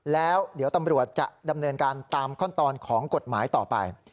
แล้วเดี๋ยวตำรวจจะดำเนินการตามขั้นตอนของกฎหมายต่อไป